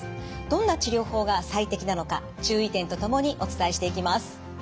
どんな治療法が最適なのか注意点とともにお伝えしていきます。